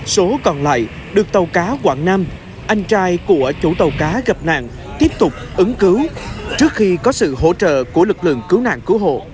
số còn lại được tàu cá quảng nam anh trai của chủ tàu cá gặp nạn tiếp tục ứng cứu trước khi có sự hỗ trợ của lực lượng cứu nạn cứu hộ